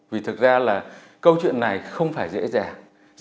vì thực ra là câu chuyện này không phải dễ dàng